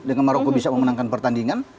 dengan maroko bisa memenangkan pertandingan